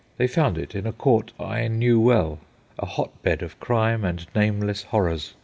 They found it in a court I knew well—a hotbed of crime and nameless horrors.